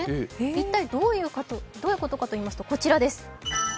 一体どういうことかといいますと、こちらです。